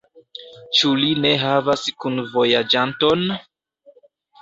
Ĉu li ne havas kunvojaĝanton?